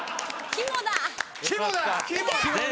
キモだ！